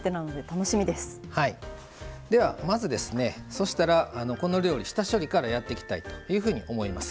ではまずですねそしたらこの料理下処理からやっていきたいというふうに思います。